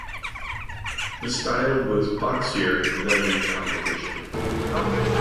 The style was boxier than the competition.